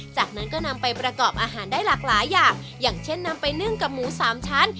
จากนั้นก็นำไปประกอบอาหารได้หลากหลายอย่างอย่างเช่นนำไปนึ่งกับหมูสามชั้น